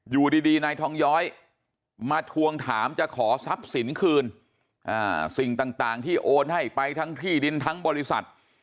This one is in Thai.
อยู่ดีนายทองย้อยมาทวงถามจะขอทรัพย์สินคืนสิ่งต่างที่โอนให้ไปทั้งที่ดินทั้งบริษัท